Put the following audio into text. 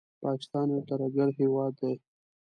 پاکستان یو ترهګر هېواد دی